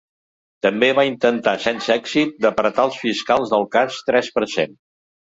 També va intentar, sense èxit, d’apartar els fiscals del cas tres per cent.